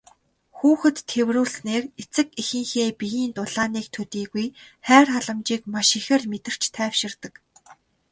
Хүүхэд тэврүүлснээр эцэг эхийнхээ биеийн дулааныг төдийгүй хайр халамжийг маш ихээр мэдэрч тайвширдаг.